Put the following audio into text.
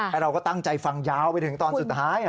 เราก็ตั้งใจฟังยาวไปถึงตอนสุดท้าย